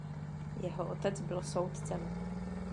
Jeho otec byl soudcem.